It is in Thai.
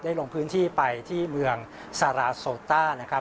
ลงพื้นที่ไปที่เมืองซาราโซต้านะครับ